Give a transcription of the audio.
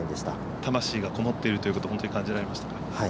魂が込もっているということを本当に感じられましたか。